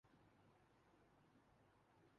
بندوق کے زور پر میرا استعفیٰ لینے